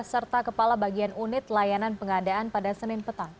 serta kepala bagian unit layanan pengadaan pada senin petang